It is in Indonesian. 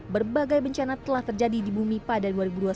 berbagai bencana telah terjadi di bumi pada dua ribu dua puluh satu